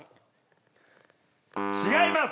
違います！